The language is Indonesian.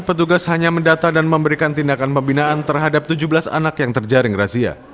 petugas hanya mendata dan memberikan tindakan pembinaan terhadap tujuh belas anak yang terjaring razia